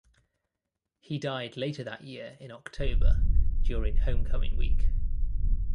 He died later that year in October, during Homecoming week.